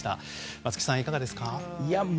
松木さん、いかがですか？